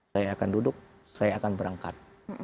saya akan duduk saya akan berangkat